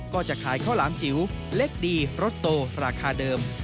ก็จะขายข้าวหลามจิ๋วเล็กดีรสโตราคาเดิม